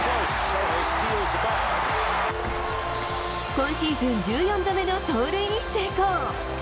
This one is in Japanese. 今シーズン１４度目の盗塁に成功。